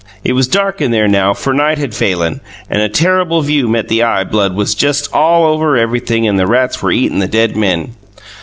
It was dark in there now for night had falen and a terrible view met the eye Blood was just all over everything and the rats were eatin the dead men.